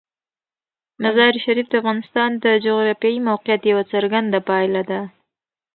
مزارشریف د افغانستان د جغرافیایي موقیعت یوه څرګنده پایله ده.